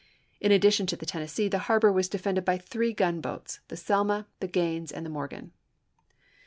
In addition to the Tennessee, the harbor was defended by three gunboats, the Selma, the Gaines, and the Morgan.